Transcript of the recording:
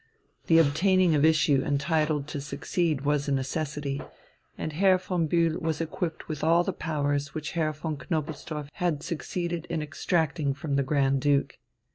The obtaining of issue entitled to succeed was a necessity, and Herr von Bühl was equipped with all the powers which Herr von Knobelsdorff had succeeded in extracting from the Grand Duke.